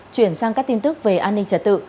chuyển sang các tin tức về an ninh trật tự